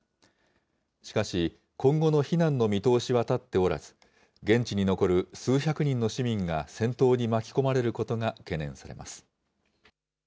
しかし、今後の避難の見通しは立っておらず、現地に残る数百人の市民が戦闘に巻き込まれることが懸念されます。